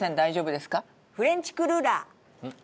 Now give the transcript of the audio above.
フレンチクルーラー。